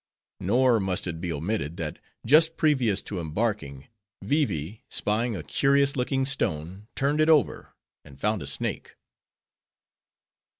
Nor must it be omitted that just previous to embarking, Vee Vee, spying a curious looking stone, turned it over, and found a snake.